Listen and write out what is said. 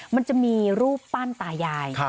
มันจะมีรูปปั้นตายาย